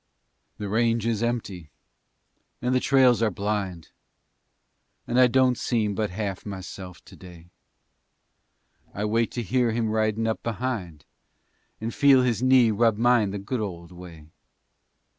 The range is empty and the trails are blind, And I don't seem but half myself today. I wait to hear him ridin' up behind And feel his knee rub mine the good old way.